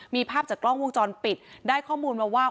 มีภาพจากกล้องวงจรปิดได้ข้อมูลมาว่า